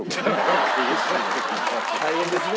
大変ですね。